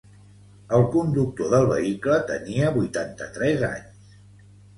El conductor del vehicle tenia vuitanta-tres anys.